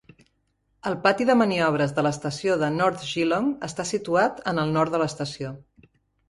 El pati de maniobres de l'estació de North Geelong està situat en el nord de l'estació.